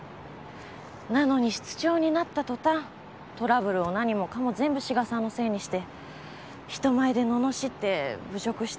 なのに室長になった途端トラブルを何もかも全部志賀さんのせいにして人前でののしって侮辱して。